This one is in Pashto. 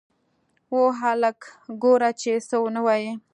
وه هلکه گوره چې څه ونه وايې.